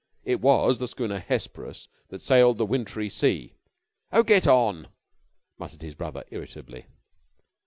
"It was the schooner Hesperus that sailed the wintry sea." "Oh, get on!" muttered his brother, irritably.